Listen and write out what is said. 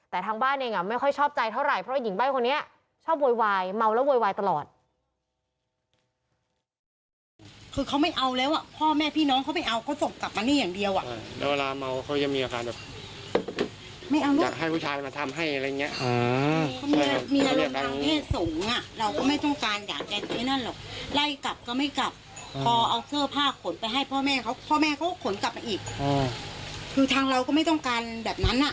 แต่ทางบ้านเองไม่ค่อยชอบใจเท่าไหร่เพราะหญิงใบ้คนนี้ชอบโวยวายเมาแล้วโวยวายตลอด